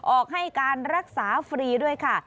ออกให้การรักษาฟรีด้วยค่ะ